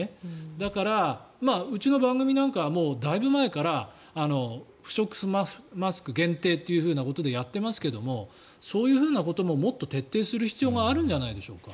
だから、うちの番組なんかはだいぶ前から不織布マスク限定ということでやっていますがそういうふうなことももっと徹底する必要があるんじゃないですか。